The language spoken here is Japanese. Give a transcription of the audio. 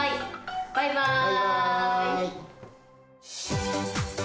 バイバーイ。